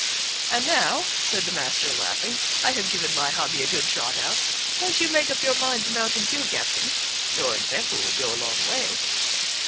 And now," said the master, laughing, "I have given my hobby a good trot out, can't you make up your mind to mount him, too, captain? Your example would go a long way."